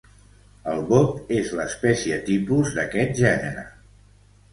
El bot és l'espècie tipus d'aquest gènere.